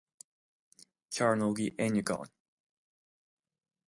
cearnóga eithneagáin